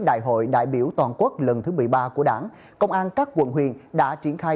đại hội đại biểu toàn quốc lần thứ một mươi ba của đảng công an các quận huyện đã triển khai